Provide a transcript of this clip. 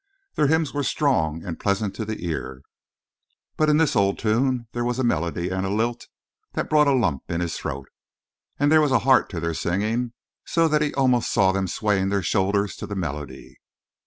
Their hymns were strong and pleasant to the ear, but in this old tune there was a melody and a lilt that brought a lump in his throat. And there was a heart to their singing, so that he almost saw them swaying their shoulders to the melody.